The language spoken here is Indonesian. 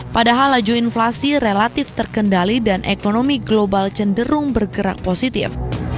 padahal laju inflasi relatif terkendali dan ekonomi global cenderung bergerak positif